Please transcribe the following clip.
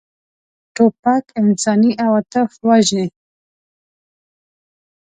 توپک انساني عواطف وژني.